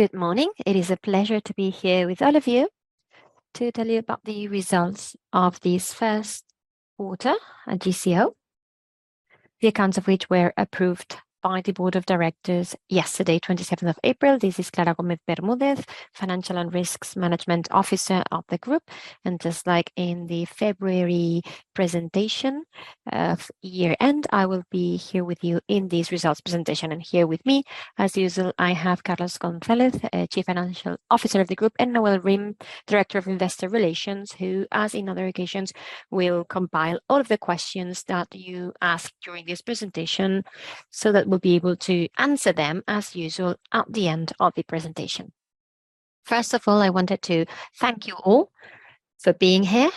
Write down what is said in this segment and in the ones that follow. Good morning. It is a pleasure to be here with all of you to tell you about the results of this first quarter at GCO, the accounts of which were approved by the Board of Directors yesterday, April 27th. This is Clara Gómez Bermúdez, Financial and Risks Management Officer of the group. Just like in the February presentation of year-end, I will be here with you in this results presentation. Here with me, as usual, I have Carlos González, Chief Financial Officer of the group, and Nawal Rim, Director of Investor Relations, who, as in other occasions, will compile all of the questions that you ask during this presentation so that we'll be able to answer them as usual at the end of the presentation. First of all, I wanted to thank you all for being here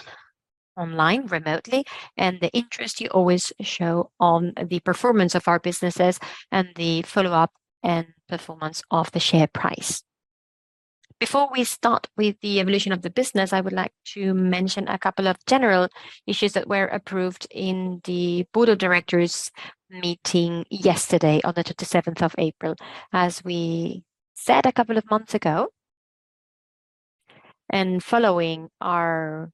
online remotely and the interest you always show on the performance of our businesses and the follow-up and performance of the share price. Before we start with the evolution of the business, I would like to mention a couple of general issues that were approved in the Board of Directors meeting yesterday on April 27th. As we said a couple of months ago, and following our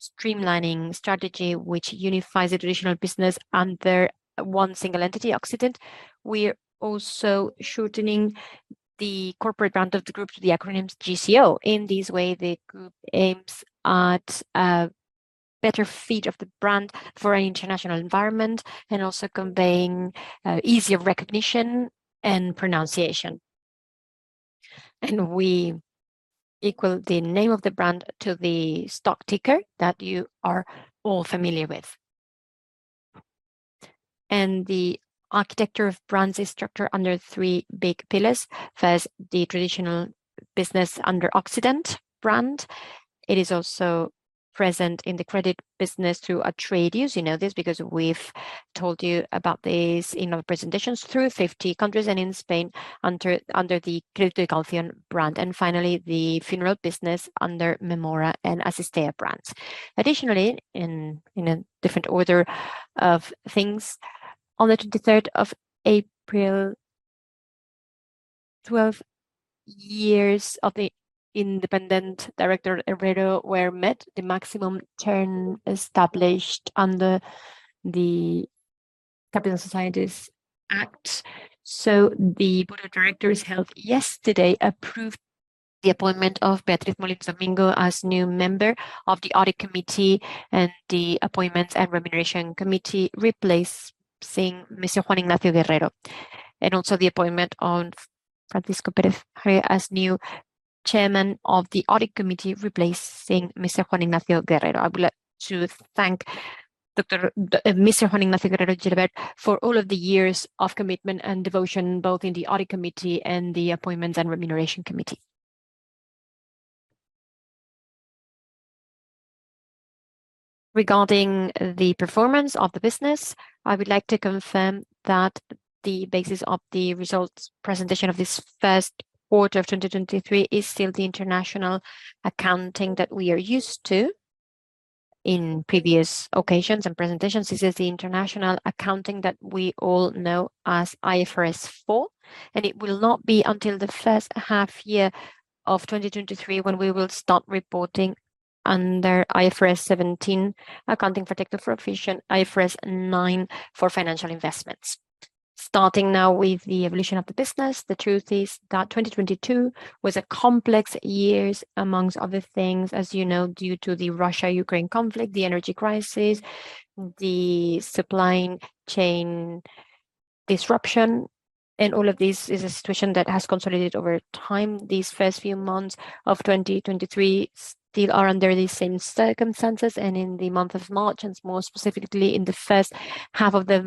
streamlining strategy, which unifies the traditional business under one single entity, Occident, we're also shortening the corporate brand of the group to the acronym GCO. In this way, the group aims at a better fit of the brand for an international environment and also conveying easier recognition and pronunciation. We equal the name of the brand to the stock ticker that you are all familiar with. The architecture of brands is structured under three big pillars. First, the traditional business under Occident brand. It is also present in the credit business through Atradius. You know this because we've told you about this in our presentations through 50 countries and in Spain under the Crédito y Caución brand. Finally, the funeral business under Mémora and Asistea brands. Additionally, in a different order of things, on April 23rd, 12 years of the independent director, Guerrero, were met, the maximum term established under the Capital Companies Act. The Board of Directors held yesterday approved the appointment of Beatriz Molins Domingo as new member of the Audit Committee and the Appointments and Remuneration Committee, replacing Mr. Juan Ignacio Guerrero Gilabert. Also the appointment of Francisco Pérez Calle as new Chairman of the Audit Committee, replacing Mr. Juan Ignacio Guerrero Gilabert. I would like to thank Mr. Juan Ignacio Guerrero Gilabert, for all of the years of commitment and devotion, both in the Audit Committee and the Appointments and Remuneration Committee. Regarding the performance of the business, I would like to confirm that the basis of the results presentation of this first quarter of 2023 is still the international accounting that we are used to in previous occasions and presentations. This is the international accounting that we all know as IFRS 4, and it will not be until the first half year of 2023 when we will start reporting under IFRS 17 accounting for technical profession, IFRS 9 for financial investments. Starting now with the evolution of the business, the truth is that 2022 was a complex years, amongst other things, as you know, due to the Russia-Ukraine conflict, the energy crisis, the supply chain disruption. All of this is a situation that has consolidated over time. These first few months of 2023 still are under the same circumstances. In the month of March, More specifically in the first half of the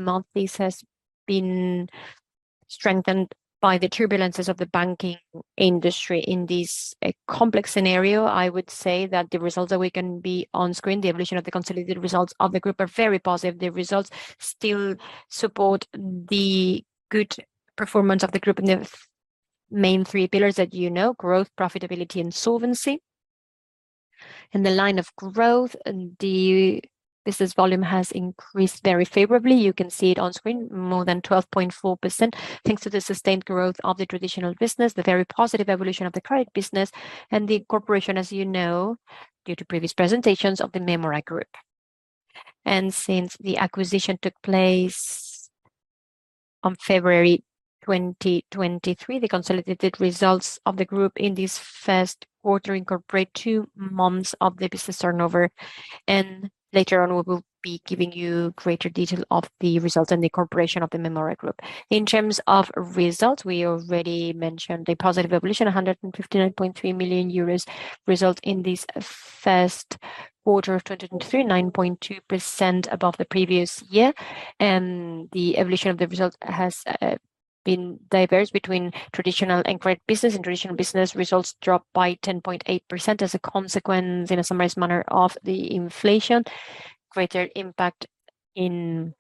month, this has been strengthened by the turbulences of the banking industry. In this complex scenario, I would say that the results that we can be on screen, the evolution of the consolidated results of the Group are very positive. The results still support the good performance of the Group in the main three pillars that you know: growth, profitability, and solvency. In the line of growth, the business volume has increased very favorably. You can see it on screen, more than 12.4%, thanks to the sustained growth of the traditional business, the very positive evolution of the current business, and the corporation, as you know, due to previous presentations of the Mémora group. Since the acquisition took place on February 2023, the consolidated results of the group in this first quarter incorporate two months of the business turnover. Later on, we will be giving you greater detail of the results and the incorporation of the Mémora group. In terms of results, we already mentioned the positive evolution, a 159.3 million euros result in this first quarter of 2023, 9.2% above the previous year. The evolution of the results has been diverse between traditional and credit business. In traditional business, results dropped by 10.8% as a consequence, in a summarized manner, of the inflation, greater impact in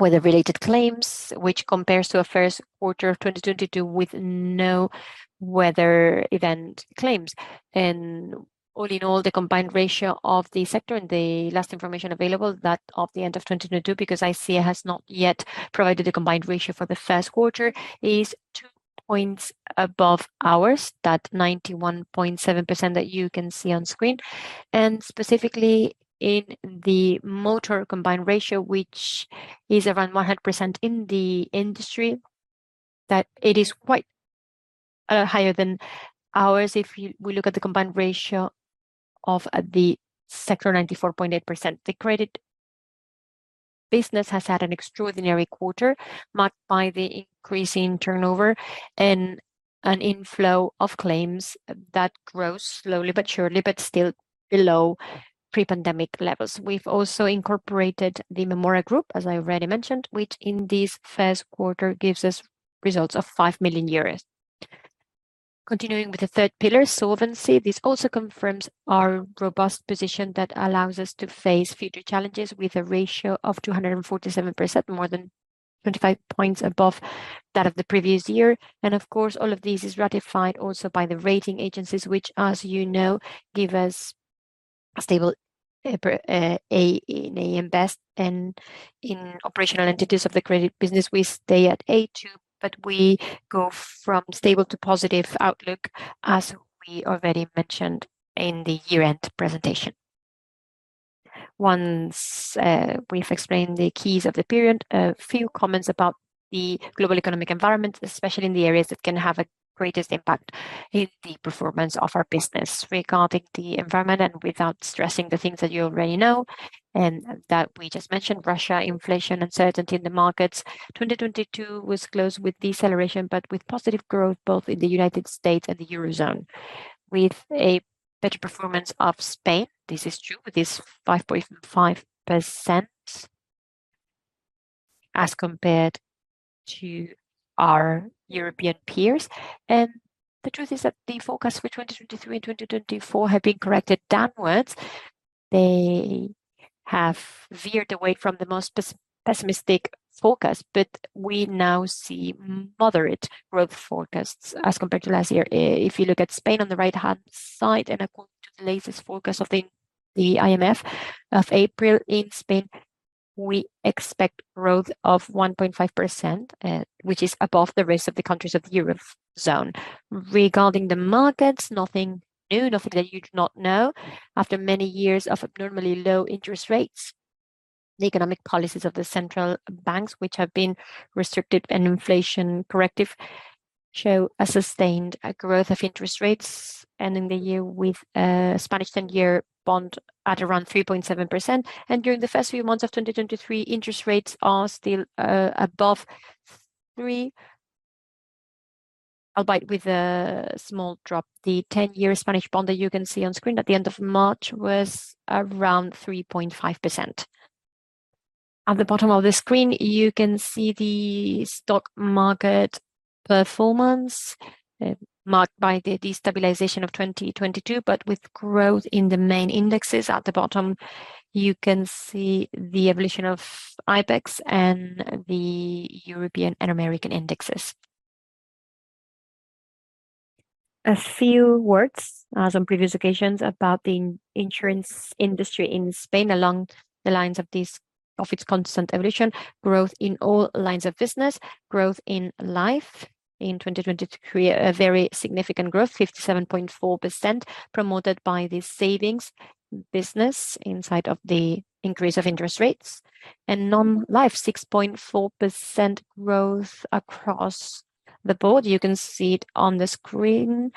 weather-related claims, which compares to a first quarter of 2022 with no weather event claims. All in all, the combined ratio of the sector and the last information available, that of the end of 2022, because ICEA has not yet provided a combined ratio for the first quarter, is 2 points above ours, that 91.7% that you can see on screen. Specifically in the motor combined ratio, which is around 100% in the industry, that it is quite higher than ours. If we look at the combined ratio of the sector, 94.8%. The credit business has had an extraordinary quarter marked by the increase in turnover and an inflow of claims that grows slowly but surely, but still below pre-pandemic levels. We've also incorporated the Grupo Mémora, as I already mentioned, which in this first quarter gives us results of 5 million euros. Continuing with the third pillar, solvency. This also confirms our robust position that allows us to face future challenges with a ratio of 247%, more than 25 points above that of the previous year. Of course, all of this is ratified also by the rating agencies, which, as you know, give us a stable A in AM Best and in operational entities of the credit business, we stay at AA, but we go from stable to positive outlook, as we already mentioned in the year-end presentation. Once we've explained the keys of the period, a few comments about the global economic environment, especially in the areas that can have a greatest impact in the performance of our business. Regarding the environment and without stressing the things that you already know and that we just mentioned, Russia, inflation, uncertainty in the markets. 2022 was closed with deceleration, but with positive growth both in the United States and the Eurozone. With a better performance of Spain, this is true, with this 5.5% as compared to our European peers. The truth is that the forecasts for 2023 and 2024 have been corrected downwards. They have veered away from the most pessimistic forecast, but we now see moderate growth forecasts as compared to last year. If you look at Spain on the right-hand side and according to the latest forecast of the IMF of April, in Spain, we expect growth of 1.5%, which is above the rest of the countries of the Eurozone. Regarding the markets, nothing new, nothing that you do not know. After many years of abnormally low interest rates, the economic policies of the central banks, which have been restrictive and inflation corrective, show a sustained growth of interest rates, ending the year with a Spanish 10-year bond at around 3.7%. During the first few months of 2023, interest rates are still above 3%, albeit with a small drop. The 10-year Spanish bond that you can see on screen at the end of March was around 3.5%. At the bottom of the screen, you can see the stock market performance marked by the destabilization of 2022, with growth in the main indexes. At the bottom, you can see the evolution of IBEX and the European and American indexes. A few words, as on previous occasions, about the insurance industry in Spain along the lines of this, of its constant evolution, growth in all lines of business, growth in life. In 2022, create a very significant growth, 57.4%, promoted by the savings business inside of the increase of interest rates. In non-life, 6.4% growth across the board. You can see it on the screen.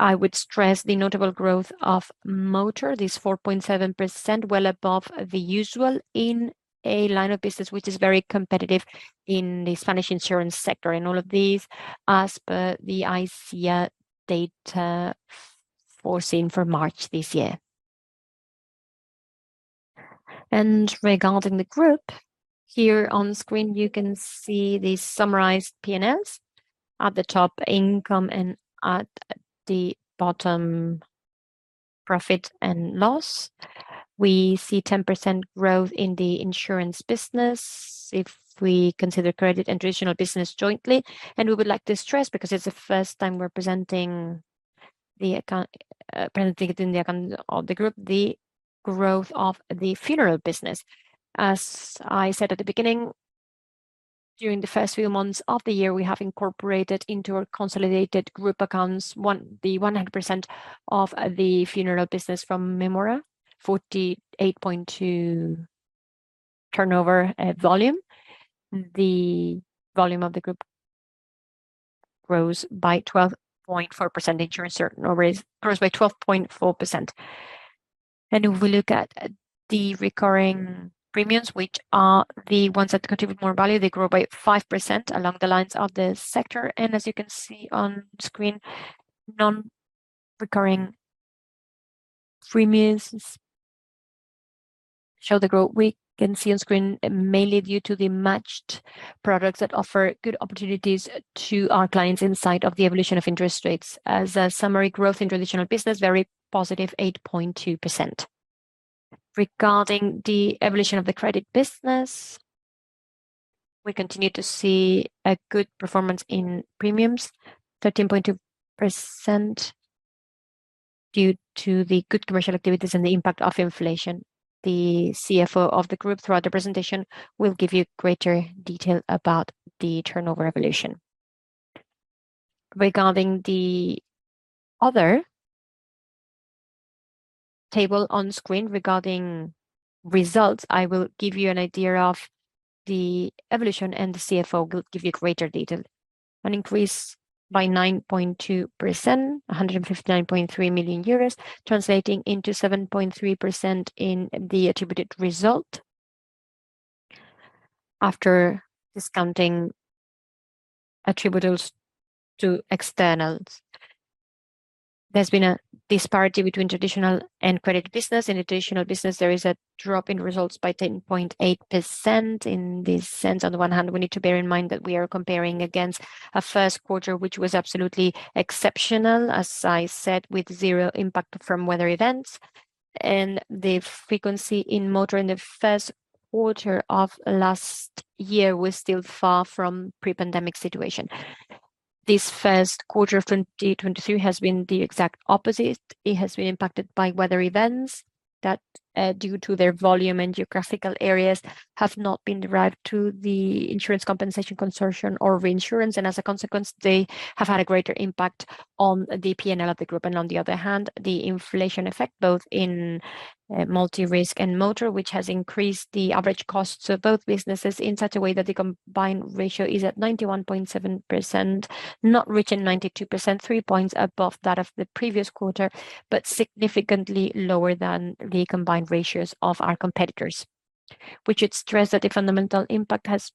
I would stress the notable growth of motor, this 4.7%, well above the usual in a line of business, which is very competitive in the Spanish insurance sector. In all of these, as per the ICEA data foreseen for March this year. Regarding the group, here on screen you can see the summarized P&Ls. At the top, income, and at the bottom, profit and loss. We see 10% growth in the insurance business if we consider credit and traditional business jointly. We would like to stress, because it's the first time we're presenting the account of the group, the growth of the funeral business. As I said at the beginning, during the first few months of the year, we have incorporated into our consolidated group accounts the 100% of the funeral business from Mémora, 48.2% turnover volume. The volume of the group grows by 12.4% insurance or grows by 12.4%. If we look at the recurring premiums, which are the ones that contribute more value, they grow by 5% along the lines of the sector. As you can see on screen, non-recurring premiums show the growth we can see on screen, mainly due to the matched products that offer good opportunities to our clients inside of the evolution of interest rates. As a summary, growth in traditional business, very positive, 8.2%. Regarding the evolution of the credit business, we continue to see a good performance in premiums, 13.2%. Due to the good commercial activities and the impact of inflation, the CFO of the group throughout the presentation will give you greater detail about the turnover evolution. Regarding the other table on screen regarding results, I will give you an idea of the evolution, and the CFO will give you greater detail. An increase by 9.2%, 159.3 million euros, translating into 7.3% in the attributed result after discounting attributables to externals. There's been a disparity between traditional and credit business. In traditional business, there is a drop in results by 10.8%. In this sense, on the one hand, we need to bear in mind that we are comparing against a first quarter, which was absolutely exceptional, as I said, with zero impact from weather events. The frequency in motor in the first quarter of last year was still far from pre-pandemic situation. This first quarter of 2022 has been the exact opposite. It has been impacted by weather events that, due to their volume and geographical areas, have not been derived to the Insurance Compensation Consortium or reinsurance. As a consequence, they have had a greater impact on the P&L of the group. On the other hand, the inflation effect, both in multi-risk and motor, which has increased the average cost of both businesses in such a way that the combined ratio is at 91.7%, not reaching 92%, 3 points above that of the previous quarter, but significantly lower than the combined ratios of our competitors. We should stress that the fundamental impact has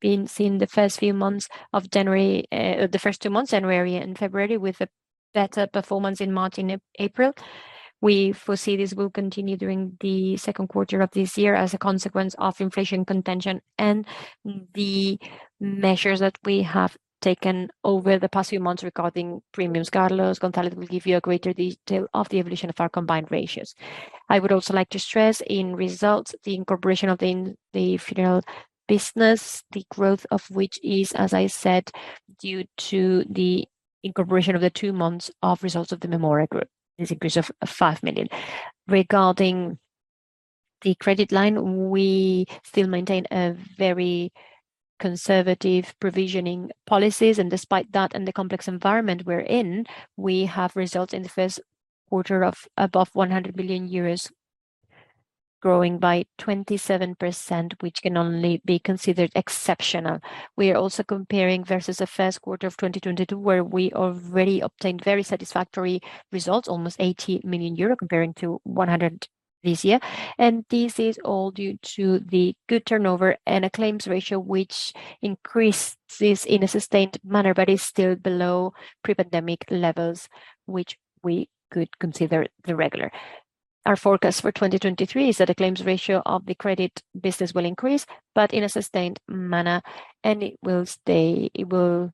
been seen the first two months, January and February, with a better performance in March and April. We foresee this will continue during the second quarter of this year as a consequence of inflation contention and the measures that we have taken over the past few months regarding premiums. Carlos González will give you a greater detail of the evolution of our combined ratios. I would also like to stress in results the incorporation of the funeral business, the growth of which is, as I said, due to the incorporation of the two months of results of the Mémora Group. There's increase of 5 million. Regarding the credit line, we still maintain a very conservative provisioning policies. Despite that and the complex environment we're in, we have results in the first quarter of above 100 million euros, growing by 27%, which can only be considered exceptional. We are also comparing versus the first quarter of 2022, where we already obtained very satisfactory results, almost 80 million euro comparing to 100 this year. This is all due to the good turnover and a claims ratio which increases in a sustained manner but is still below pre-pandemic levels, which we could consider the regular. Our forecast for 2023 is that the claims ratio of the credit business will increase, but in a sustained manner, and it will stay. It will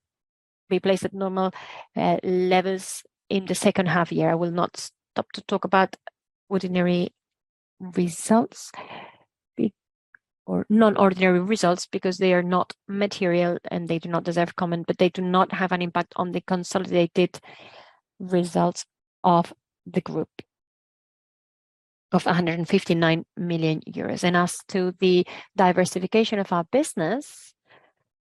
be placed at normal levels in the second half year. I will not stop to talk about ordinary results or non-ordinary results because they are not material, and they do not deserve comment, but they do not have an impact on the consolidated results of the group of 159 million euros. As to the diversification of our business,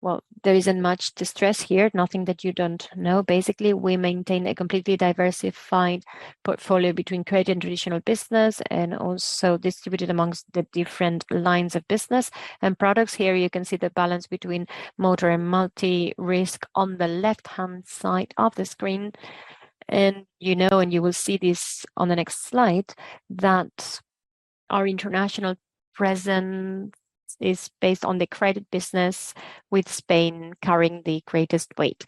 well, there isn't much to stress here, nothing that you don't know. Basically, we maintain a completely diversified portfolio between credit and traditional business and also distributed amongst the different lines of business and products. Here you can see the balance between motor and multi-risk on the left-hand side of the screen. You know, and you will see this on the next slide, that our international presence is based on the credit business, with Spain carrying the greatest weight.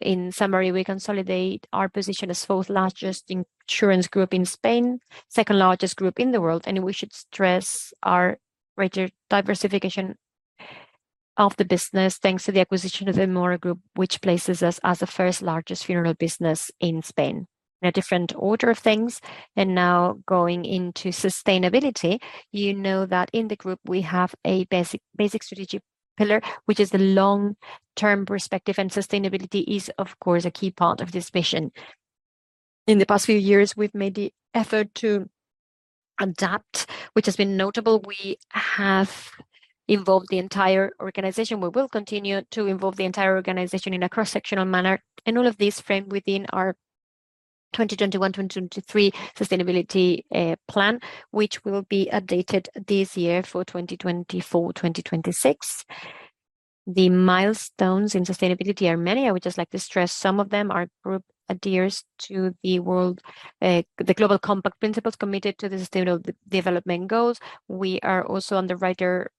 In summary, we consolidate our position as fourth largest insurance group in Spain, second-largest group in the world, and we should stress our greater diversification of the business thanks to the acquisition of the Mémora Group, which places us as the first-largest funeral business in Spain. In a different order of things, now going into sustainability, you know that in the group we have a basic strategic pillar, which is the long-term perspective, and sustainability is, of course, a key part of this mission. In the past few years, we've made the effort to adapt, which has been notable. We have involved the entire organization. We will continue to involve the entire organization in a cross-sectional manner. All of this framed within our 2021-2023 sustainability plan, which will be updated this year for 2024-2026. The milestones in sustainability are many. I would just like to stress some of them. Our group adheres to the UN Global Compact principles committed to the sustainable development goals. We are also underwriters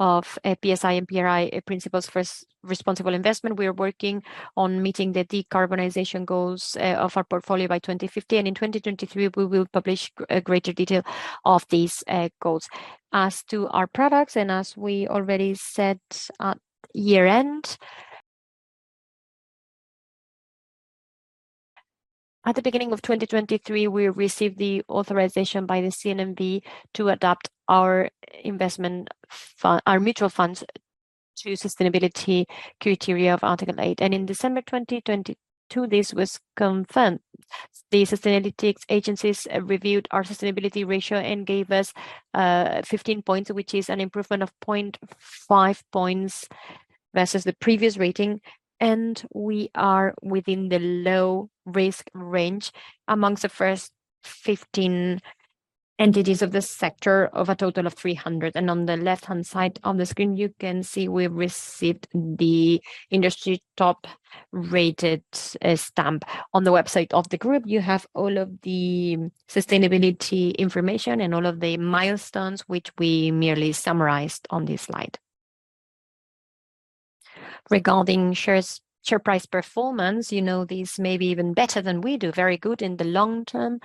of PSI and PRI, Principles for Responsible Investment. We are working on meeting the decarbonization goals of our portfolio by 2050. In 2023, we will publish greater detail of these goals. As to our products and as we already said at year-end, at the beginning of 2023, we received the authorization by the CNMV to adopt our mutual funds to sustainability criteria of Article 8. In December 2022, this was confirmed. The sustainability agencies reviewed our sustainability ratio and gave us 15 points, which is an improvement of 0.5 points versus the previous rating. We are within the low risk range amongst the first 15 entities of this sector of a total of 300. On the left-hand side on the screen, you can see we've received the industry top-rated stamp. On the website of the group, you have all of the sustainability information and all of the milestones which we merely summarized on this slide. Regarding share price performance, you know, these may be even better than we do, very good in the long term,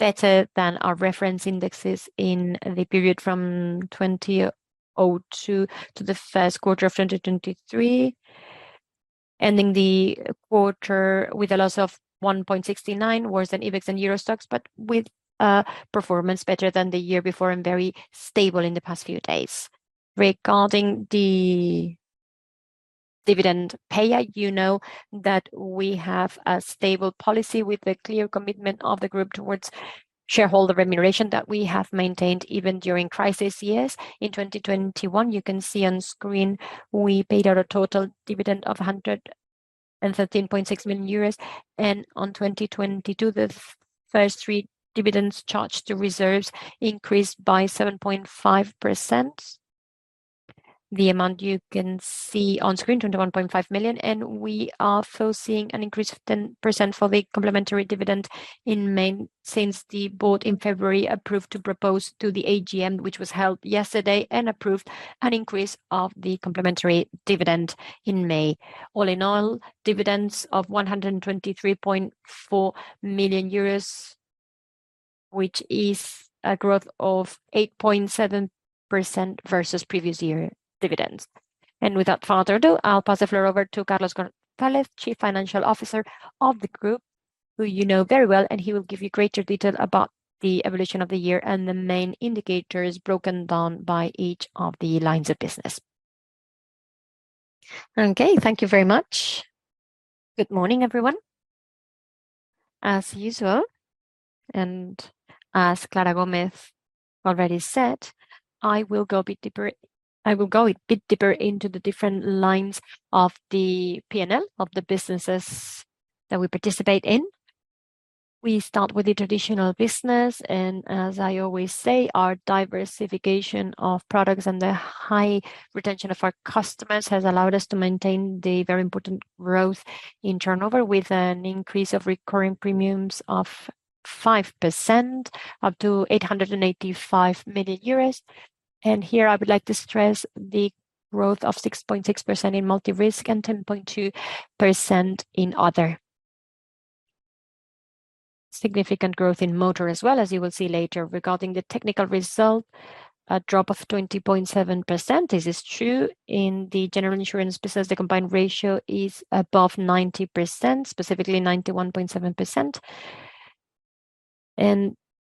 better than our reference indexes in the period from 2002 to the first quarter of 2023, ending the quarter with a loss of 1.69, worse than IBEX and EURO STOXX, with a performance better than the year before and very stable in the past few days. Regarding the dividend payout, you know that we have a stable policy with a clear commitment of the group towards shareholder remuneration that we have maintained even during crisis years. In 2021, you can see on screen, we paid out a total dividend of 113.6 million euros. On 2022, the first three dividends charged to reserves increased by 7.5%. The amount you can see on-screen, 21.5 million, and we are foreseeing an increase of 10% for the complementary dividend in May. Since the board in February approved to propose to the AGM, which was held yesterday and approved an increase of the complementary dividend in May. All in all, dividends of 123.4 million euros, which is a growth of 8.7% versus previous year dividends. Without further ado, I'll pass the floor over to Carlos González, Chief Financial Officer of the Group, who you know very well, and he will give you greater detail about the evolution of the year and the main indicators broken down by each of the lines of business. Okay, thank you very much. Good morning, everyone. As usual, and as Clara Gómez already said, I will go a bit deeper into the different lines of the P&L of the businesses that we participate in. We start with the traditional business, and as I always say, our diversification of products and the high retention of our customers has allowed us to maintain the very important growth in turnover with an increase of recurring premiums of 5% up to 885 million euros. Here I would like to stress the growth of 6.6% in multi-risk and 10.2% in other. Significant growth in motor as well, as you will see later. Regarding the technical result, a drop of 20.7%. This is true in the general insurance business, the combined ratio is above 90%, specifically 91.7%.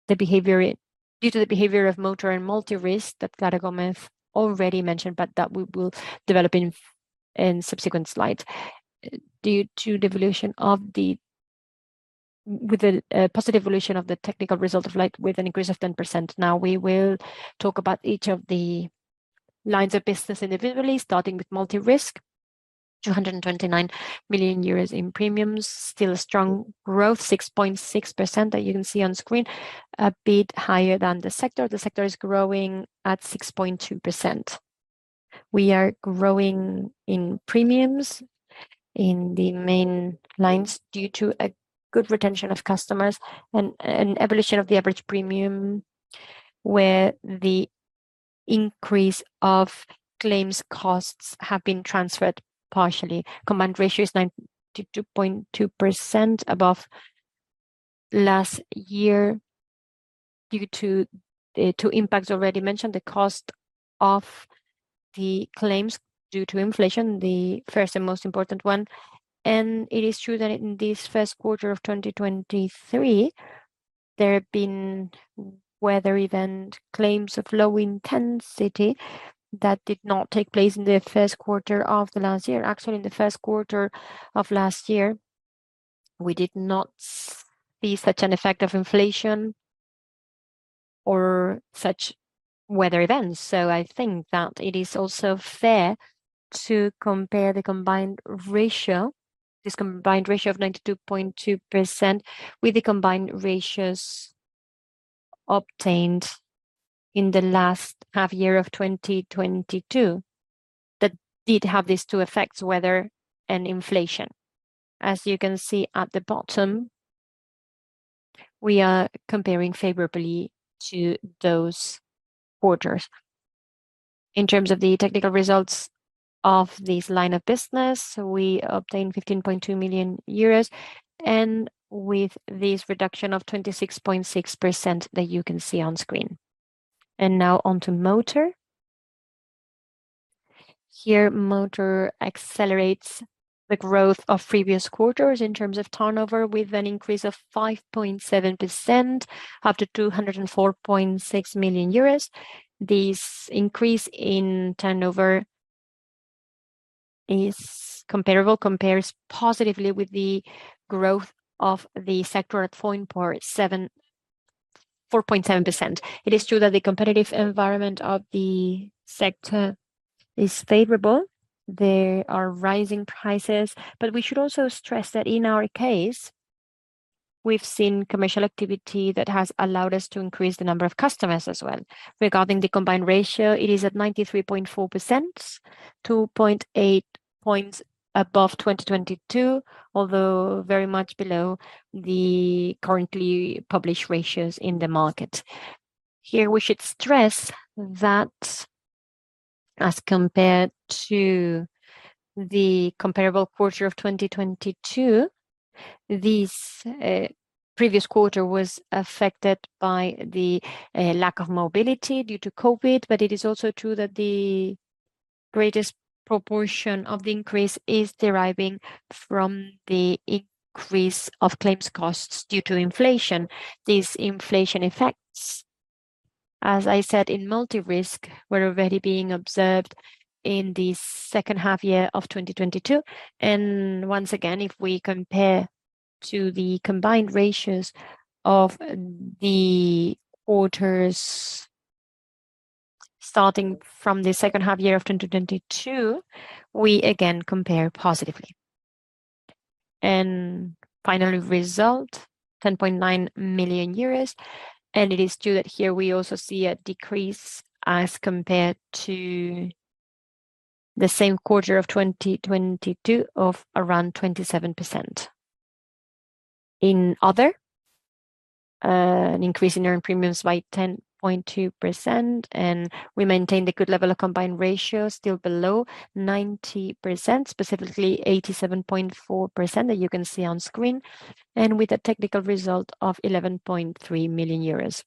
Due to the behavior of motor and multi-risk that Clara Gómez already mentioned, but that we will develop in subsequent slides. Due to the positive evolution of the technical result of late with an increase of 10%. Now, we will talk about each of the lines of business individually, starting with multi-risk, 229 million euros in premiums. Still a strong growth, 6.6% that you can see on screen, a bit higher than the sector. The sector is growing at 6.2%. We are growing in premiums in the main lines due to a good retention of customers and an evolution of the average premium, where the increase of claims costs have been transferred partially. combined ratio is 92.2% above last year due to the two impacts already mentioned, the cost of the claims due to inflation, the first and most important one. It is true that in this first quarter of 2023, there have been weather event claims of low intensity that did not take place in the first quarter of the last year. Actually, in the first quarter of last year, we did not see such an effect of inflation or such weather events. I think that it is also fair to compare the combined ratio, this combined ratio of 92.2% with the combined ratios obtained in the last half year of 2022 that did have these two effects, weather and inflation. As you can see at the bottom, we are comparing favorably to those quarters. In terms of the technical results of this line of business, we obtained 15.2 million euros, and with this reduction of 26.6% that you can see on screen. Now on to motor. Here, motor accelerates the growth of previous quarters in terms of turnover with an increase of 5.7% up to 204.6 million euros. This increase in turnover compares positively with the growth of the sector at 4.7%. It is true that the competitive environment of the sector is favorable. There are rising prices, but we should also stress that in our case, we've seen commercial activity that has allowed us to increase the number of customers as well. Regarding the combined ratio, it is at 93.4%, 2.8 points above 2022, although very much below the currently published ratios in the market. Here we should stress that as compared to the comparable quarter of 2022, this previous quarter was affected by the lack of mobility due to COVID, but it is also true that the greatest proportion of the increase is deriving from the increase of claims costs due to inflation. These inflation effects, as I said in multi-risk, were already being observed in the second half year of 2022. Once again, if we compare to the combined ratios of the orders starting from the second half year of 2022, we again compare positively. Final result, 10.9 million euros. It is true that here we also see a decrease as compared to the same quarter of 2022 of around 27%. An increase in earned premiums by 10.2%, and we maintained a good level of combined ratio, still below 90%, specifically 87.4% that you can see on screen, and with a technical result of 11.3 million euros.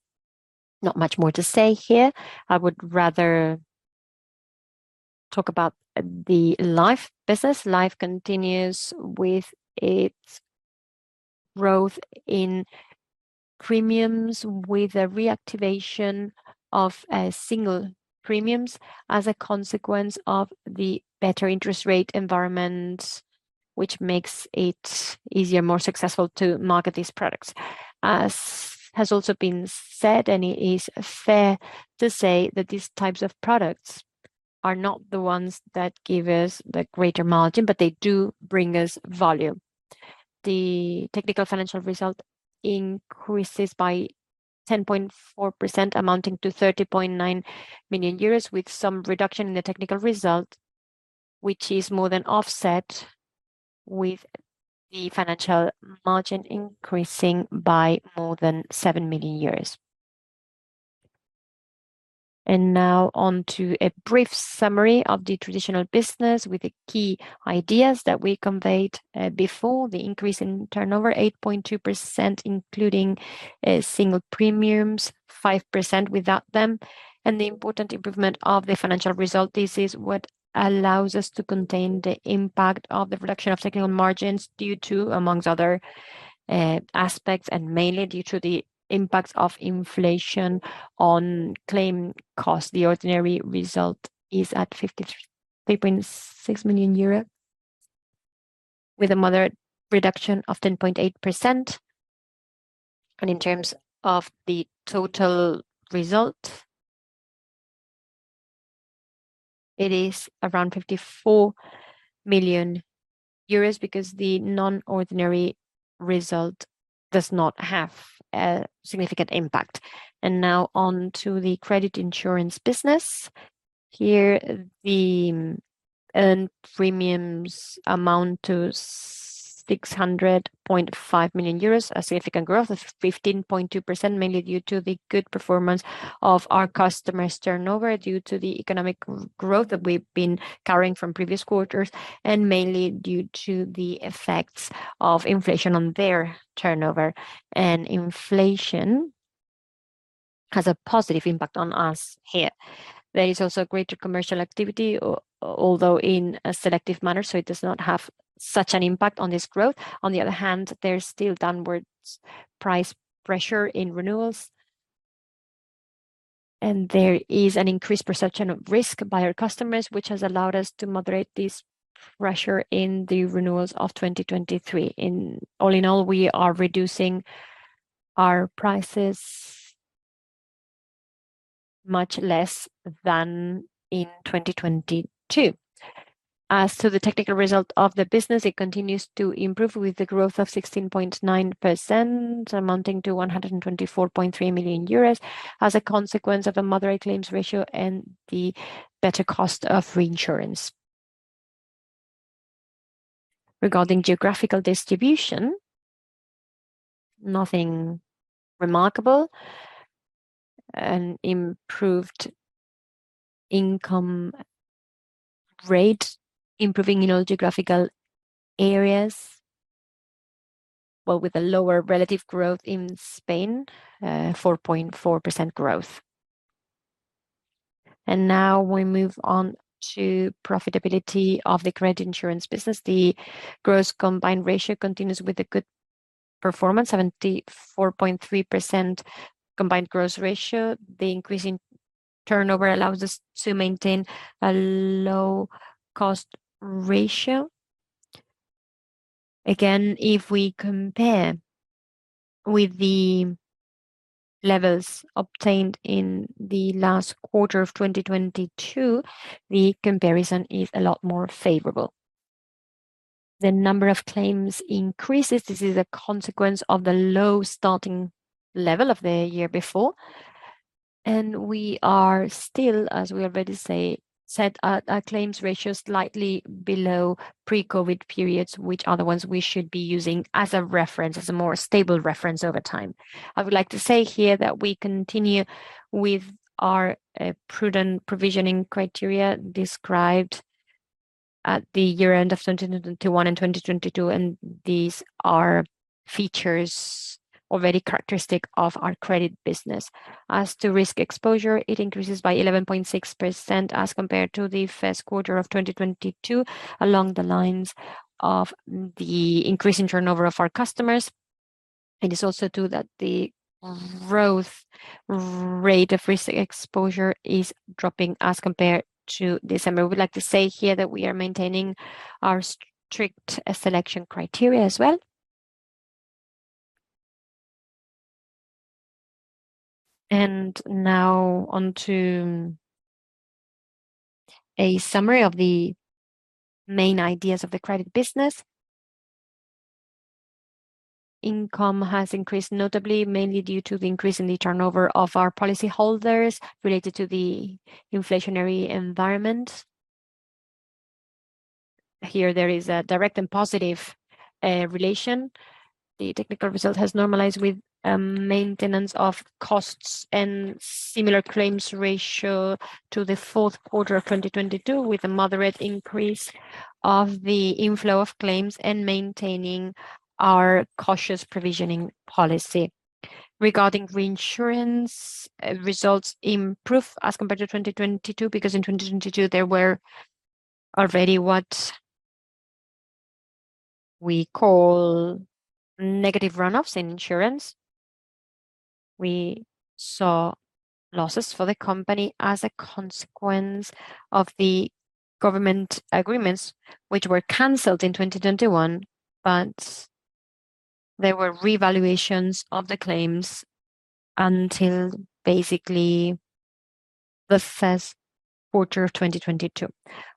Not much more to say here. I would rather talk about the life business. Life continues with its growth in premiums, with the reactivation of single premiums as a consequence of the better interest rate environment, which makes it easier, more successful to market these products. As has also been said, and it is fair to say that these types of products are not the ones that give us the greater margin, but they do bring us volume. The technical financial result increases by 10.4%, amounting to 30.9 million euros, with some reduction in the technical result, which is more than offset with the financial margin increasing by more than 7 million. Now on to a brief summary of the traditional business with the key ideas that we conveyed before the increase in turnover, 8.2%, including single premiums, 5% without them, and the important improvement of the financial result. This is what allows us to contain the impact of the reduction of technical margins due to, amongst other, aspects, and mainly due to the impacts of inflation on claim costs. The ordinary result is at 53.6 million euros, with a moderate reduction of 10.8%. In terms of the total result, it is around 54 million euros because the non-ordinary result does not have a significant impact. Now on to the credit insurance business. Here, the earned premiums amount to 600.5 million euros, a significant growth of 15.2%, mainly due to the good performance of our customers' turnover due to the economic growth that we've been carrying from previous quarters and mainly due to the effects of inflation on their turnover. Inflation has a positive impact on us here. There is also greater commercial activity, although in a selective manner, so it does not have such an impact on this growth. On the other hand, there's still downwards price pressure in renewals and there is an increased perception of risk by our customers, which has allowed us to moderate this pressure in the renewals of 2023. In all, we are reducing our prices much less than in 2022. As to the technical result of the business, it continues to improve with the growth of 16.9%, amounting to 124.3 million euros as a consequence of a moderate claims ratio and the better cost of reinsurance. Regarding geographical distribution, nothing remarkable. An improved income rate, improving in all geographical areas, but with a lower relative growth in Spain, 4.4% growth. Now we move on to profitability of the credit insurance business. The gross combined ratio continues with a good performance, 74.3% combined gross ratio. The increase in turnover allows us to maintain a low cost ratio. Again, if we compare with the levels obtained in the last quarter of 2022, the comparison is a lot more favorable. The number of claims increases. This is a consequence of the low starting level of the year before. We are still, as we already said, our claims ratio is slightly below pre-COVID periods, which are the ones we should be using as a reference, as a more stable reference over time. I would like to say here that we continue with our prudent provisioning criteria described at the year-end of 2021 and 2022, and these are features already characteristic of our credit business. As to risk exposure, it increases by 11.6% as compared to the first quarter of 2022, along the lines of the increase in turnover of our customers. It is also true that the growth rate of risk exposure is dropping as compared to December. We'd like to say here that we are maintaining our strict selection criteria as well. Now on to a summary of the main ideas of the credit business. Income has increased notably, mainly due to the increase in the turnover of our policyholders related to the inflationary environment. Here, there is a direct and positive relation. The technical result has normalized with maintenance of costs and similar claims ratio to the fourth quarter of 2022, with a moderate increase of the inflow of claims and maintaining our cautious provisioning policy. Regarding reinsurance, results improve as compared to 2022, because in 2022, there were already what we call negative runoffs in insurance. We saw losses for the company as a consequence of the government agreements which were canceled in 2021, there were revaluations of the claims until basically the first quarter of 2022.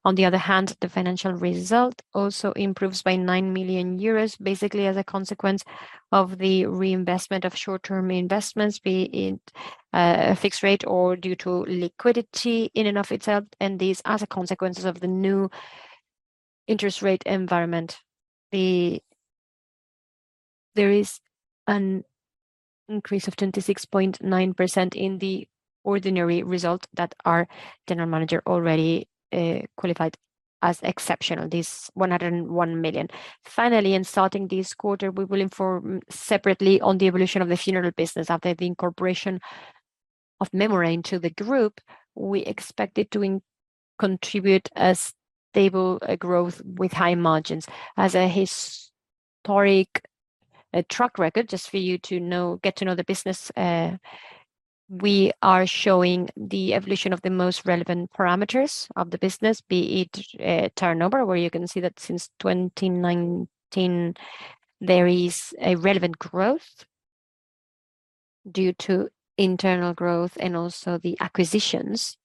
The financial result also improves by 9 million euros, basically as a consequence of the reinvestment of short-term investments, be it fixed rate or due to liquidity in and of itself, these are the consequences of the new interest rate environment. There is an increase of 26.9% in the ordinary result that our General Manager already qualified as exceptional, this 101 million. In starting this quarter, we will inform separately on the evolution of the funeral business after the incorporation of Mémora into the group. We expect it to contribute a stable growth with high margins. As a historic track record, just for you to know, get to know the business, we are showing the evolution of the most relevant parameters of the business, be it, turnover, where you can see that since 2019, there is a relevant growth due to internal growth and also the acquisitions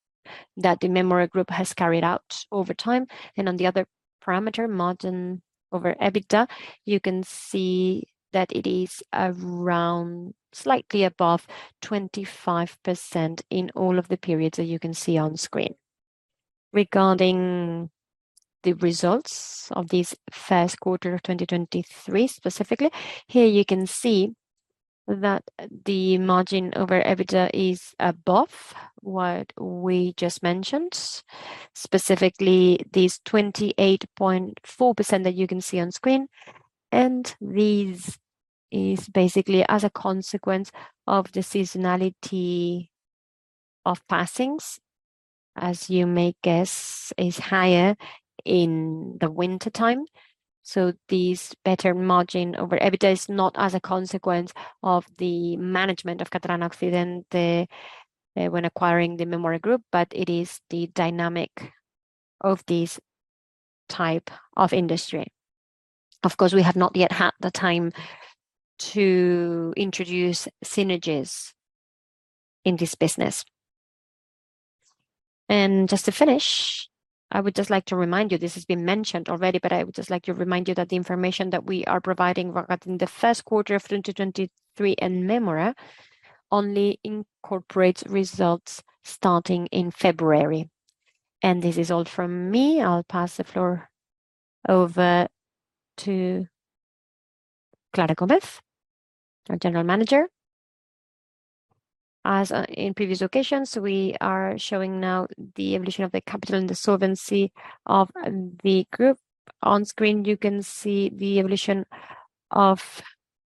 that the Grupo Mémora has carried out over time. On the other parameter, margin over EBITDA, you can see that it is around slightly above 25% in all of the periods that you can see on screen. Regarding the results of this first quarter of 2023, specifically, here you can see that the margin over EBITDA is above what we just mentioned, specifically this 28.4% that you can see on screen. This is basically as a consequence of the seasonality of passings, as you may guess, is higher in the wintertime. This better margin over EBITDA is not as a consequence of the management of Catalana Occidente when acquiring the Mémora group, but it is the dynamic of this type of industry. Of course, we have not yet had the time to introduce synergies in this business. Just to finish, I would just like to remind you, this has been mentioned already, but I would just like to remind you that the information that we are providing regarding the first quarter of 2023 and Mémora only incorporates results starting in February. This is all from me. I'll pass the floor over to Clara Gómez, our General Manager. As in previous occasions, we are showing now the evolution of the capital and the solvency of the group. On screen, you can see the evolution of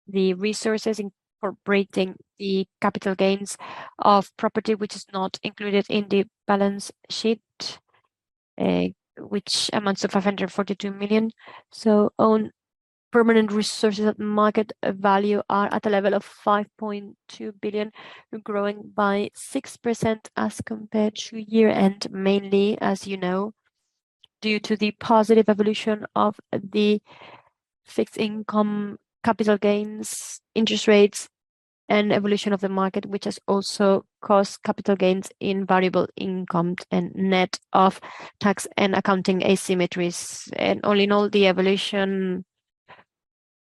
the resources incorporating the capital gains of property which is not included in the balance sheet, which amounts to 542 million. Own permanent resources at market value are at a level of 5.2 billion, growing by 6% as compared to year-end, mainly, as you know, due to the positive evolution of the fixed income capital gains interest rates and evolution of the market, which has also caused capital gains in variable income and net of tax and accounting asymmetries. All in all, the evolution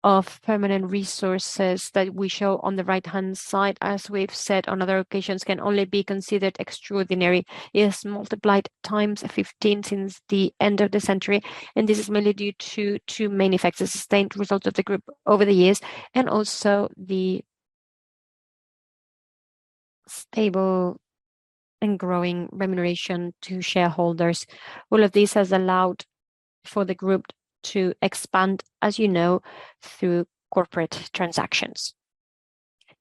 of permanent resources that we show on the right-hand side, as we've said on other occasions, can only be considered extraordinary. It has multiplied 15 times since the end of the century, and this is mainly due to two main factors: sustained results of the group over the years and also the stable and growing remuneration to shareholders. All of this has allowed for the group to expand, as you know, through corporate transactions.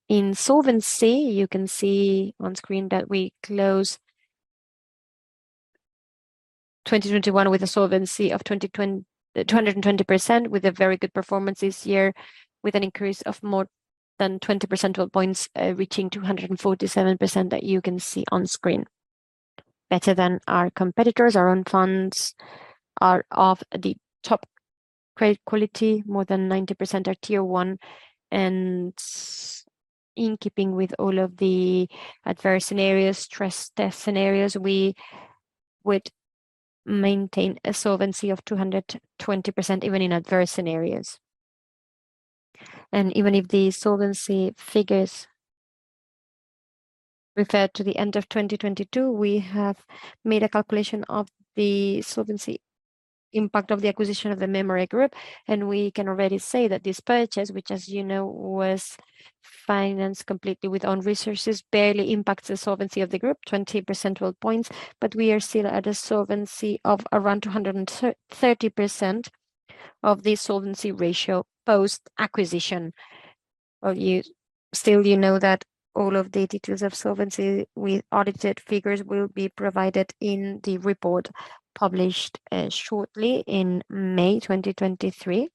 In solvency, you can see on screen that we close 2021 with a solvency of 220% with a very good performance this year, with an increase of more than 20 percentile points, reaching 247% that you can see on screen. Better than our competitors. Our own funds are of the top quality. More than 90% are Tier 1. In keeping with all of the adverse scenarios, stress test scenarios, we would maintain a solvency of 220% even in adverse scenarios. Even if the solvency figures referred to the end of 2022, we have made a calculation of the solvency impact of the acquisition of Grupo Mémora, and we can already say that this purchase, which as you know, was financed completely with own resources, barely impacts the solvency of the group, 20 percentage points, but we are still at a solvency of around 230% of the solvency ratio post-acquisition. Still, you know that all of the details of solvency with audited figures will be provided in the report published shortly in May 2023.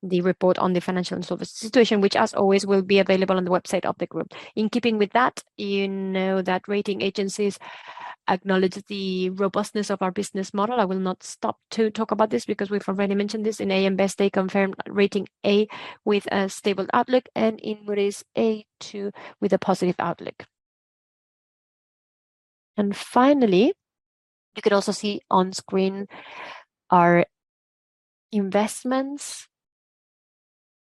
The report on the financial and solvency situation, which as always, will be available on the website of the group. In keeping with that, you know that rating agencies acknowledge the robustness of our business model. I will not stop to talk about this because we've already mentioned this. In AM Best, they confirmed rating A with a stable outlook and in Moody's AA with a positive outlook. Finally, you can also see on screen our investments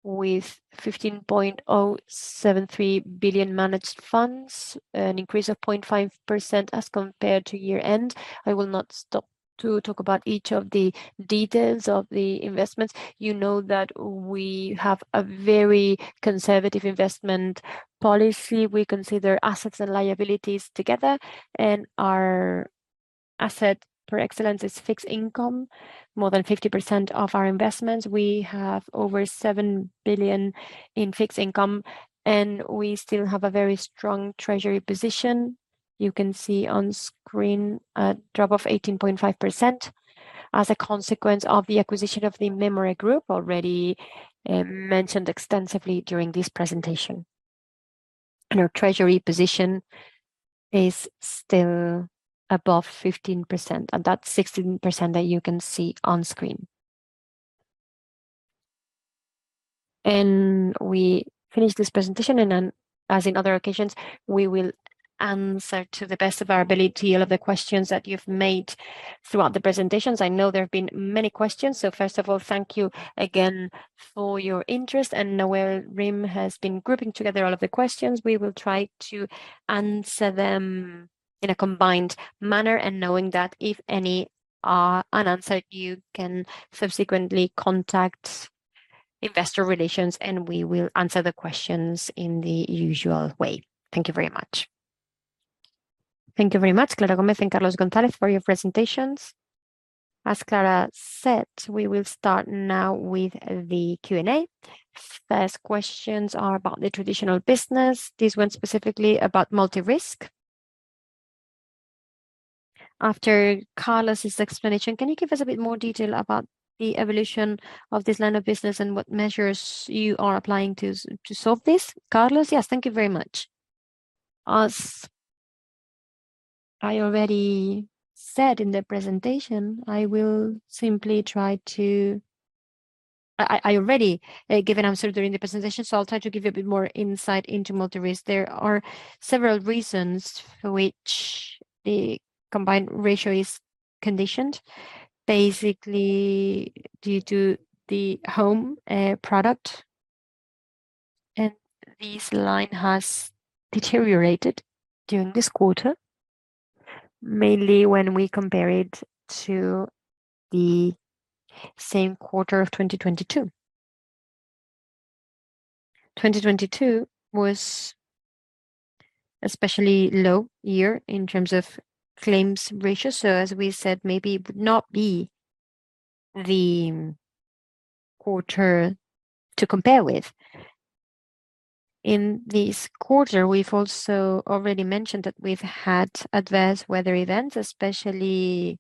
with 15.073 billion managed funds, an increase of 0.5% as compared to year-end. I will not stop to talk about each of the details of the investments. You know that we have a very conservative investment policy. We consider assets and liabilities together, and our asset, par excellence, is fixed income. More than 50% of our investments, we have over 7 billion in fixed income, and we still have a very strong treasury position. You can see on screen a drop of 18.5% as a consequence of the acquisition of the Mémora Group, already mentioned extensively during this presentation. Our treasury position is still above 15%, and that's 16% that you can see on screen. We finish this presentation and then, as in other occasions, we will answer to the best of our ability all of the questions that you've made throughout the presentations. I know there have been many questions. First of all, thank you again for your interest. Nawal Rim has been grouping together all of the questions. We will try to answer them in a combined manner and knowing that if any are unanswered, you can subsequently contact investor relations, and we will answer the questions in the usual way. Thank you very much. Thank you very much, Clara Gómez and Carlos González for your presentations. As Clara said, we will start now with the Q&A. First questions are about the traditional business, this one specifically about multi-risk. After Carlos' explanation, can you give us a bit more detail about the evolution of this line of business and what measures you are applying to solve this? Carlos? Yes. Thank you very much. I already gave an answer during the presentation, I'll try to give you a bit more insight into multi-risk. There are several reasons for which the combined ratio is conditioned, basically due to the home product, this line has deteriorated during this quarter, mainly when we compare it to the same quarter of 2022. 2022 was especially low year in terms of claims ratio. As we said, maybe it would not be the quarter to compare with. In this quarter, we've also already mentioned that we've had adverse weather events, especially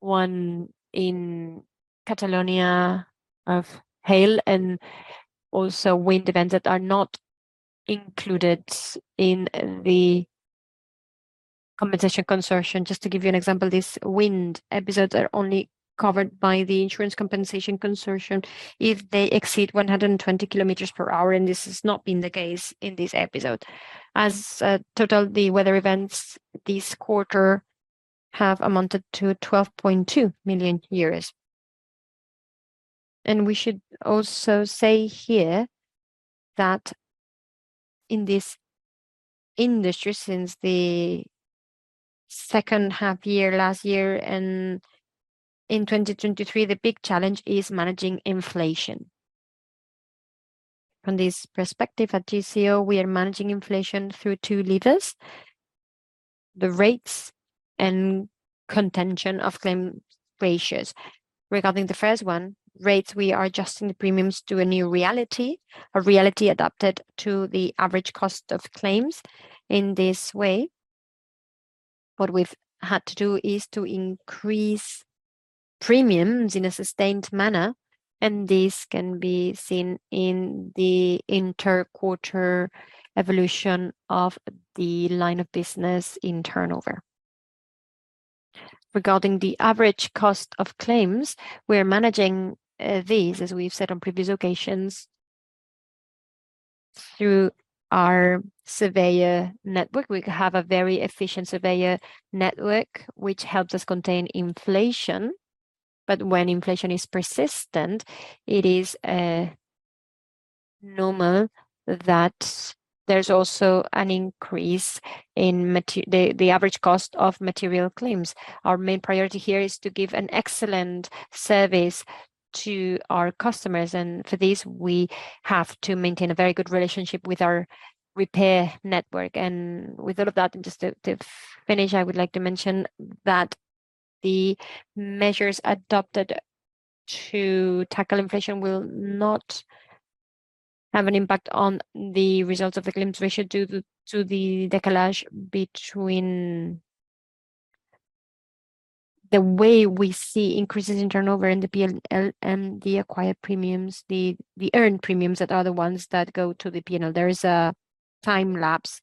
one in Catalonia of hail and also wind events that are not included in the Insurance Compensation Consortium. Just to give you an example, these wind episodes are only covered by the Insurance Compensation Consortium if they exceed 120 kilometers per hour, and this has not been the case in this episode. As a total, the weather events this quarter have amounted to 12.2 million. We should also say here that in this industry, since the second half year last year and in 2023, the big challenge is managing inflation. From this perspective at GCO, we are managing inflation through two levers: the rates and contention of claim ratios. Regarding the first one, rates, we are adjusting the premiums to a new reality, a reality adapted to the average cost of claims. This way, what we've had to do is to increase premiums in a sustained manner, and this can be seen in the inter-quarter evolution of the line of business in turnover. Regarding the average cost of claims, we are managing these, as we've said on previous occasions, through our surveyor network. We have a very efficient surveyor network which helps us contain inflation. When inflation is persistent, it is normal that there's also an increase in the average cost of material claims. Our main priority here is to give an excellent service to our customers, and for this, we have to maintain a very good relationship with our repair network. With all of that, just to finish, I would like to mention that the measures adopted to tackle inflation will not have an impact on the results of the claims ratio due to the décalage between the way we see increases in turnover and the P&L and the acquired premiums, the earned premiums that are the ones that go to the P&L. There is a time lapse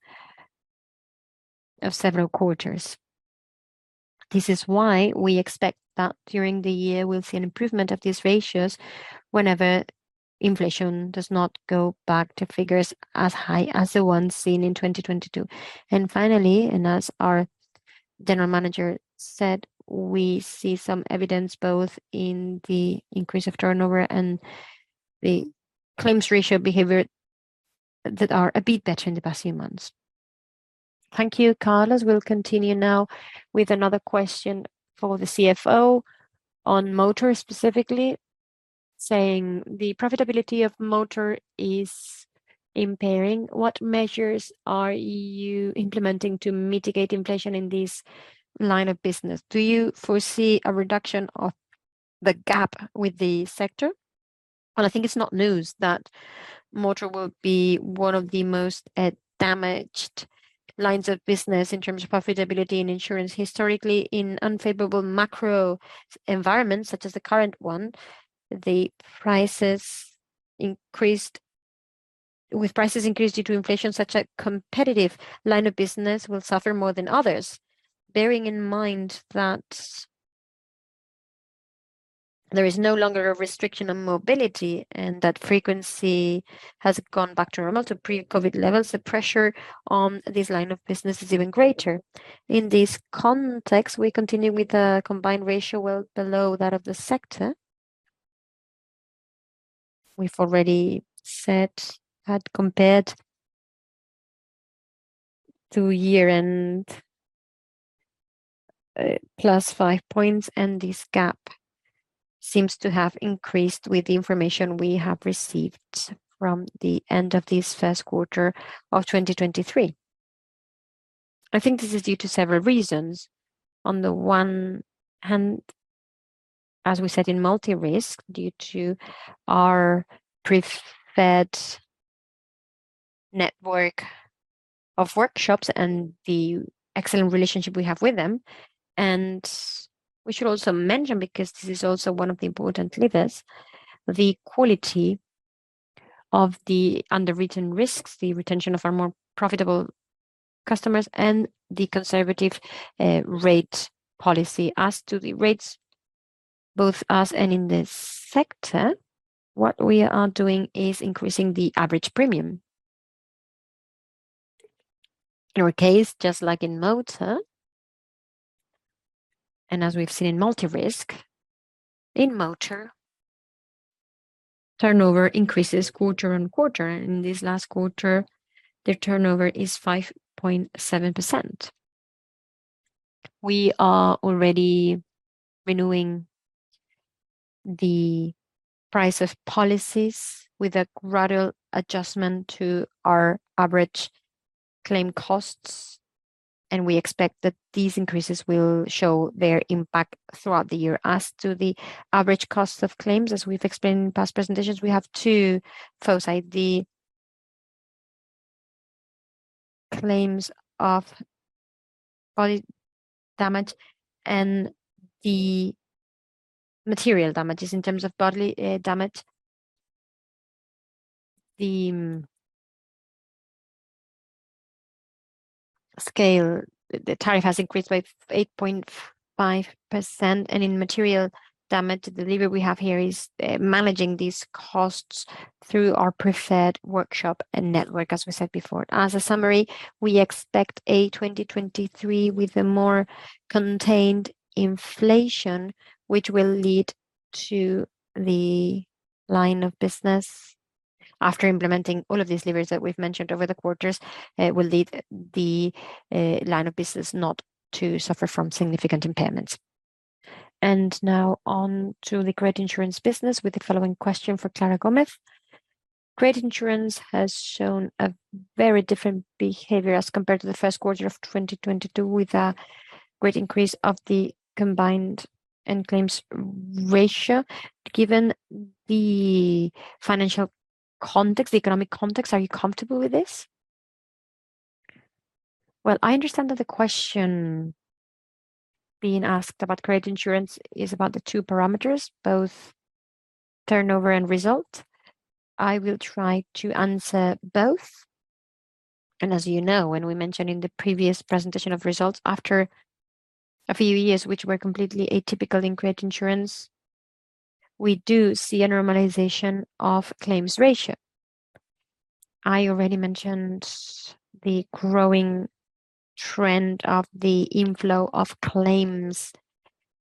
of several quarters. This is why we expect that during the year we'll see an improvement of these ratios whenever inflation does not go back to figures as high as the ones seen in 2022. Finally, and as our General Manager said, we see some evidence both in the increase of turnover and the claims ratio behavior that are a bit better in the past few months. Thank you, Carlos. We'll continue now with another question for the CFO on motor, specifically, saying the profitability of motor is impairing. What measures are you implementing to mitigate inflation in this line of business? Do you foresee a reduction of the gap with the sector? I think it's not news that motor will be one of the most damaged lines of business in terms of profitability and insurance. Historically, in unfavorable macro environments, such as the current one, the prices increased. With prices increased due to inflation, such a competitive line of business will suffer more than others. Bearing in mind that there is no longer a restriction on mobility and that frequency has gone back to normal, to pre-COVID levels, the pressure on this line of business is even greater. In this context, we continue with a combined ratio well below that of the sector. We've already said that compared to year-end, +5 points, and this gap seems to have increased with the information we have received from the end of this first quarter of 2023. I think this is due to several reasons. On the one hand, as we said in multi-risk, due to our preferred network of workshops and the excellent relationship we have with them. We should also mention, because this is also one of the important levers, the quality of the underwritten risks, the retention of our more profitable customers, and the conservative rate policy. As to the rates, both us and in this sector, what we are doing is increasing the average premium. In our case, just like in motor, and as we've seen in multi-risk, in motor, turnover increases quarter-on-quarter. In this last quarter, the turnover is 5.7%. We are already renewing the price of policies with a gradual adjustment to our average claim costs, and we expect that these increases will show their impact throughout the year. As to the average cost of claims, as we've explained in past presentations, we have two, first, the claims of body damage and the material damages. In terms of bodily damage, the tariff has increased by 8.5%, and in material damage, the lever we have here is managing these costs through our preferred workshop and network, as we said before. As a summary, we expect a 2023 with a more contained inflation, which will lead to the line of business. After implementing all of these levers that we've mentioned over the quarters, it will lead the line of business not to suffer from significant impairments. Now on to the credit insurance business with the following question for Clara Gómez. Credit insurance has shown a very different behavior as compared to the first quarter of 2022, with a great increase of the combined and claims ratio. Given the financial context, the economic context, are you comfortable with this? Well, I understand that the question being asked about credit insurance is about the two parameters, both turnover and result. I will try to answer both. As you know, when we mentioned in the previous presentation of results, after a few years, which were completely atypical in credit insurance, we do see a normalization of claims ratio. I already mentioned the growing trend of the inflow of claims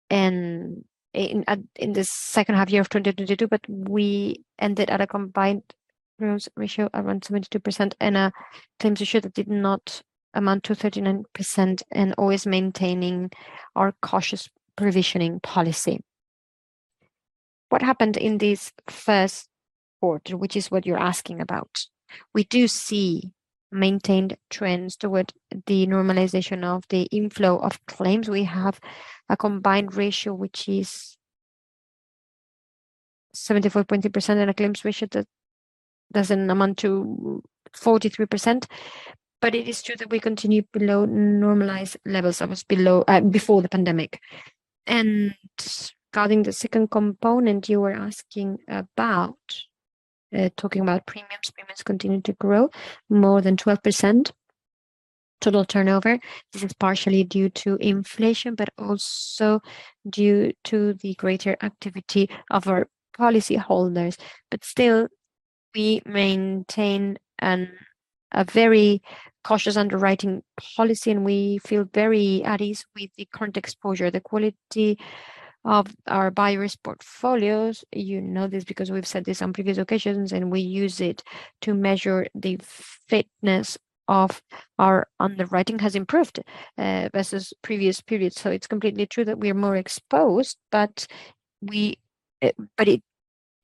in the second half year of 2022, we ended at a combined ratio around 72% and a claims ratio that did not amount to 39% and always maintaining our cautious provisioning policy. What happened in this first quarter, which is what you're asking about? We do see maintained trends toward the normalization of the inflow of claims. We have a combined ratio which is 74.2% and a claims ratio that doesn't amount to 43%. It is true that we continue below normalized levels that was below before the pandemic. Regarding the second component you were asking about, talking about premiums continue to grow more than 12% total turnover. This is partially due to inflation, but also due to the greater activity of our policyholders. Still, we maintain a very cautious underwriting policy, and we feel very at ease with the current exposure, the quality of our buy risk portfolios. You know this because we've said this on previous occasions, and we use it to measure the fitness of our underwriting has improved versus previous periods. It's completely true that we are more exposed, but it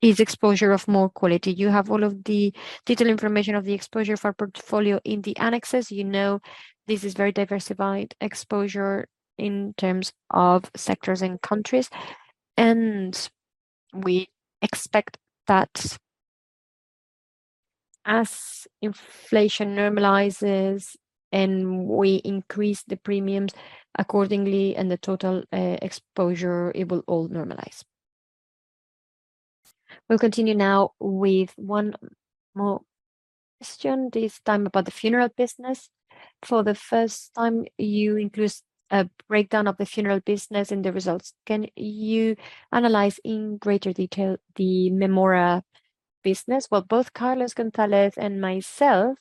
is exposure of more quality. You have all of the detailed information of the exposure of our portfolio in the annexes. You know, this is very diversified exposure in terms of sectors and countries. We expect that as inflation normalizes and we increase the premiums accordingly and the total exposure, it will all normalize. We'll continue now with one more question, this time about the funeral business. For the first time, you include a breakdown of the funeral business in the results. Can you analyze in greater detail the Mémora business? Well, both Carlos González and myself,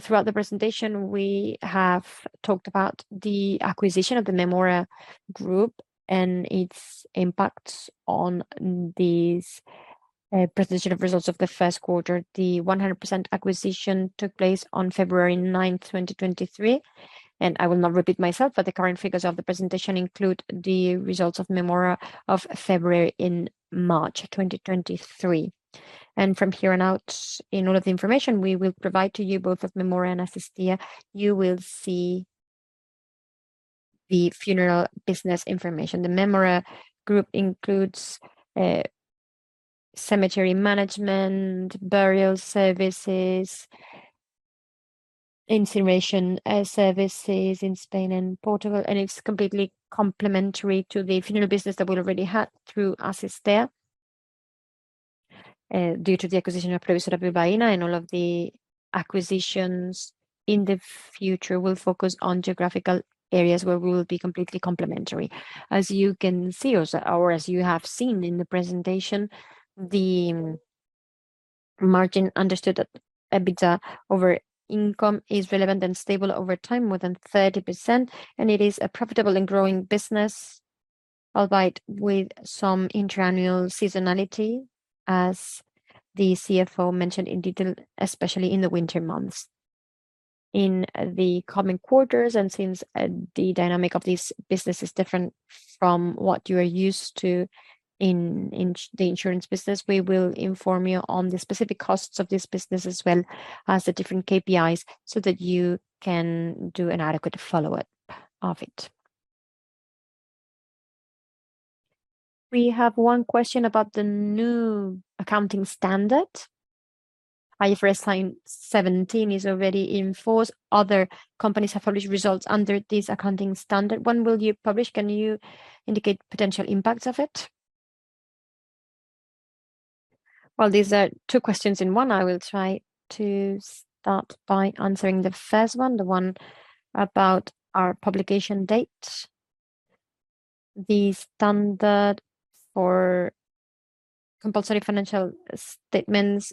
throughout the presentation, we have talked about the acquisition of the Mémora group and its impacts on this presentation of results of the first quarter. The 100% acquisition took place on February 9th, 2023, and I will not repeat myself, but the current figures of the presentation include the results of Mémora of February and March 2023. From here on out, in all of the information we will provide to you both of Mémora and Asistea, you will see the funeral business information. The Mémora group includes cemetery management, burial services, incineration services in Spain and Portugal, and it's completely complementary to the funeral business that we already had through Asistea. Due to the acquisition of Previsora Bilbaína and all of the acquisitions in the future will focus on geographical areas where we will be completely complementary. As you can see or as you have seen in the presentation, the margin understood that EBITDA over income is relevant and stable over time, more than 30%, and it is a profitable and growing business, albeit with some intra-annual seasonality, as the CFO mentioned in detail, especially in the winter months. In the coming quarters, since the dynamic of this business is different from what you are used to in the insurance business, we will inform you on the specific costs of this business as well as the different KPIs so that you can do an adequate follow-up of it. We have one question about the new accounting standard. IFRS 17 is already in force. Other companies have published results under this accounting standard. When will you publish? Can you indicate potential impacts of it? Well, these are two questions in one. I will try to start by answering the first one, the one about our publication date. The standard for compulsory financial statements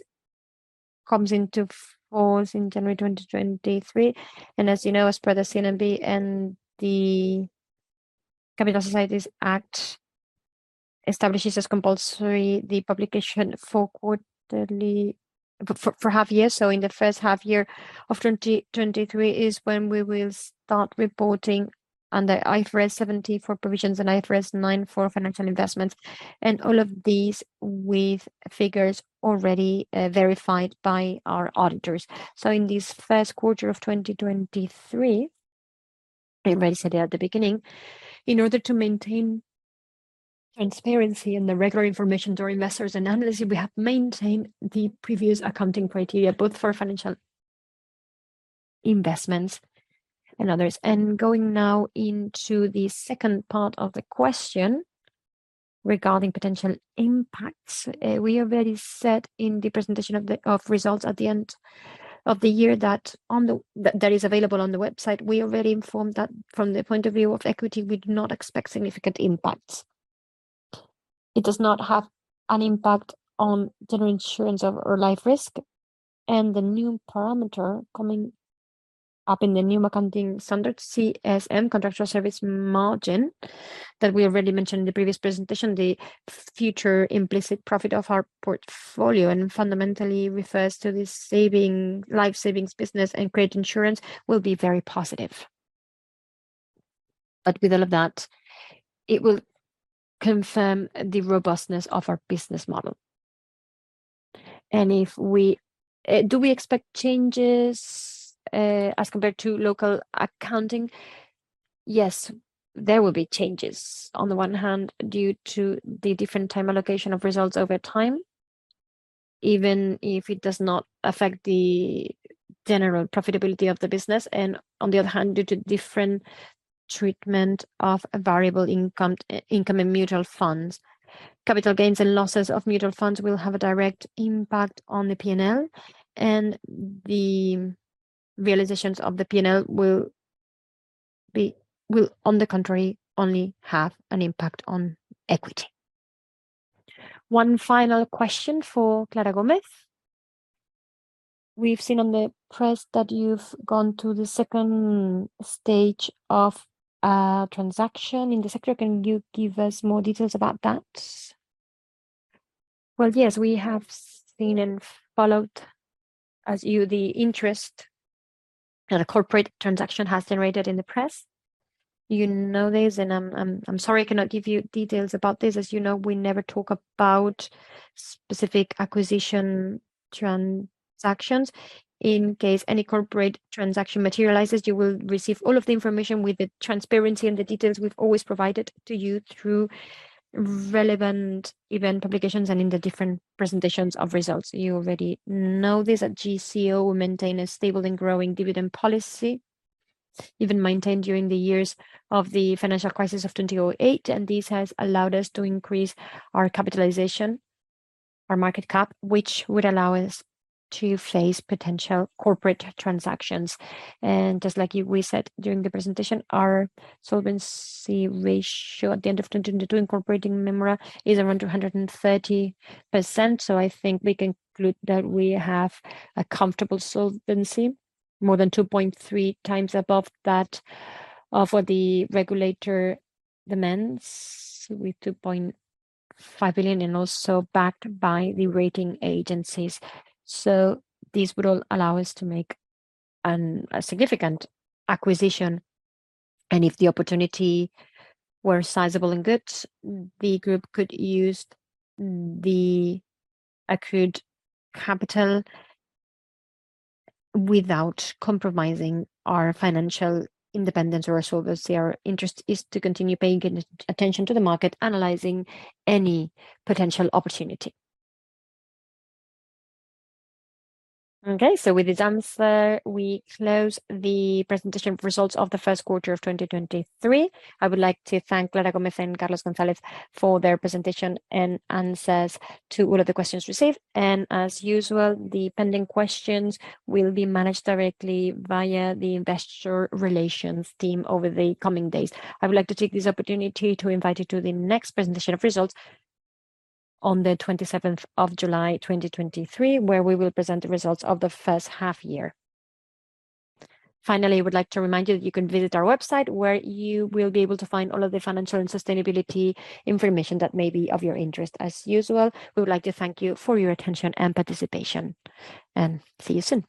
comes into force in January 2023, as you know, as per the CNMV and the Capital Companies Act establishes as compulsory the publication for half year. In the first half year of 2023 is when we will start reporting under IFRS 17 for provisions and IFRS 9 for financial investments, and all of these with figures already verified by our auditors. In this first quarter of 2023, I already said it at the beginning, in order to maintain transparency in the regular information to our investors and analysts, we have maintained the previous accounting criteria, both for financial investments and others. Going now into the second part of the question regarding potential impacts, we already said in the presentation of the results at the end of the year that is available on the website, we already informed that from the point of view of equity, we do not expect significant impacts. It does not have an impact on general insurance or life risk. The new parameter coming up in the new accounting standard, CSM, contractual service margin, that we already mentioned in the previous presentation, the future implicit profit of our portfolio, and fundamentally refers to this saving, life savings business and credit insurance will be very positive. With all of that, it will confirm the robustness of our business model. Do we expect changes, as compared to local accounting? Yes, there will be changes on the one hand due to the different time allocation of results over time, even if it does not affect the general profitability of the business, and on the other hand, due to different treatment of variable income in mutual funds. Capital gains and losses of mutual funds will have a direct impact on the P&L, and the realizations of the P&L will, on the contrary, only have an impact on equity. One final question for Clara Gómez. We've seen on the press that you've gone to the second stage of a transaction in the sector. Can you give us more details about that? Well, yes, we have seen and followed as you the interest that a corporate transaction has generated in the press. You know this, and I'm sorry I cannot give you details about this. As you know, we never talk about specific acquisition transactions. In case any corporate transaction materializes, you will receive all of the information with the transparency and the details we've always provided to you through relevant event publications and in the different presentations of results. You already know this, at GCO, we maintain a stable and growing dividend policy, even maintained during the years of the financial crisis of 2008. This has allowed us to increase our capitalization, our market cap, which would allow us to face potential corporate transactions. Just like we said during the presentation, our solvency ratio at the end of 2022, incorporating Mémora, is around 230%. I think we conclude that we have a comfortable solvency, more than 2.3 times above that of what the regulator demands, with 2.5 billion, and also backed by the rating agencies. This would all allow us to make a significant acquisition. If the opportunity were sizable and good, the group could use the accrued capital without compromising our financial independence or our solvency. Our interest is to continue paying attention to the market, analyzing any potential opportunity. With this answer, we close the presentation of results of the first quarter of 2023. I would like to thank Clara Gómez and Carlos González for their presentation and answers to all of the questions received. As usual, the pending questions will be managed directly via the investor relations team over the coming days. I would like to take this opportunity to invite you to the next presentation of results on July 27th, 2023, where we will present the results of the first half year. Finally, I would like to remind you that you can visit our website where you will be able to find all of the financial and sustainability information that may be of your interest. As usual, we would like to thank you for your attention and participation, and see you soon.